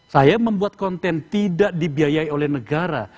saya membuat konten tidak dibiayai oleh negara